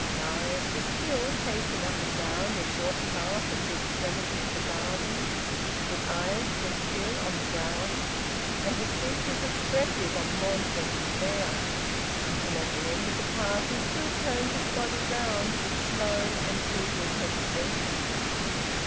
Darius was still pacing up and down the short path at the extremity of the garden; his eyes were still on the ground, and his features expressive of mournful despair, and at the end of the path he still turned his body round with slow and tedious hesitations.